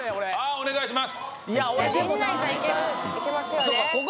お願いします